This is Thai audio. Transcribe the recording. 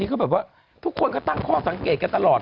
เขาแบบว่าทุกคนก็ตั้งข้อสังเกตกันตลอด